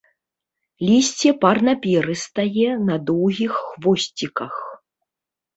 Лісце парнаперыстае, на доўгіх хвосціках.